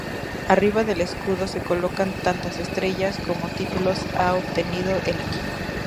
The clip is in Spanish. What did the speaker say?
Arriba del escudo, se colocan tantas estrellas como títulos ha obtenido el equipo.